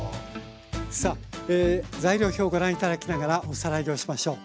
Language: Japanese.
さあ材料表をご覧頂きながらおさらいをしましょう。